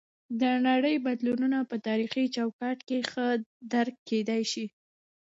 د نړۍ بدلونونه په تاریخي چوکاټ کې ښه درک کیدی شي.